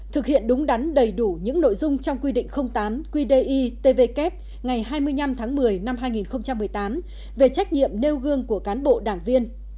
thực hiện đúng đắn đầy đủ những nội dung trong quy định tám qdi tvk ngày hai mươi năm tháng một mươi năm hai nghìn một mươi tám về trách nhiệm nêu gương của cán bộ đảng viên